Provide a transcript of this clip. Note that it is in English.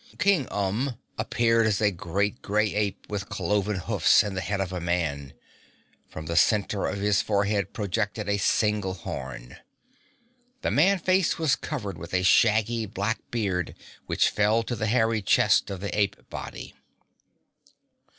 King Umb appeared as a great, grey ape with cloven hoofs and the head of a man. From the center of his forehead projected a single horn. The man face was covered with a shaggy, black beard which fell to the hairy chest of the ape body.